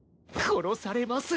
殺されます。